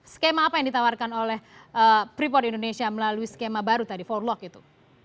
skema apa yang ditawarkan oleh freeport indonesia melalui skema baru tadi forlok itu